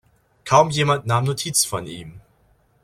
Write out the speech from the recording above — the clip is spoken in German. Kaum jemand nahm Notiz von ihm.